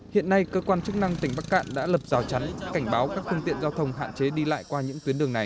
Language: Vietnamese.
hiện nay cơ quan chức năng tỉnh bắc cạn đã lập rào chắn cảnh báo các phương tiện giao thông hạn chế đi lại qua những tuyến đường này